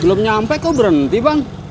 belum nyampe kok berhenti bang